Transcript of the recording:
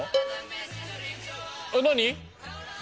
何？